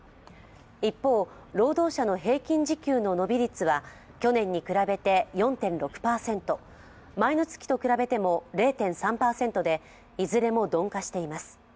一方、労働者の平均時給の伸び率は去年に比べて４．６％、前の月と比べても０．３％でいずれも鈍化しています。